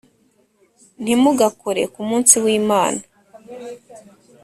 Nti mugakore ku munsi w’imana